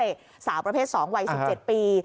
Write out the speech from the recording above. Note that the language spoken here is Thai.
แล้วก็เป็นสาวประเภทสองวัยสิบเจ็ดปี